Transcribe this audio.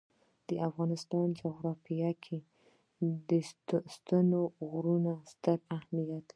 د افغانستان جغرافیه کې ستوني غرونه ستر اهمیت لري.